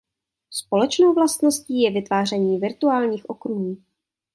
Společnou vlastností je vytváření virtuálních okruhů.